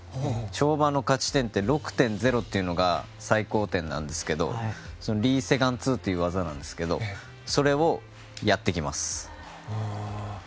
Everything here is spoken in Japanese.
跳馬の価値点って６．０というのが最高点なんですがリ・セグァン２という技なんですがそれをやってきます。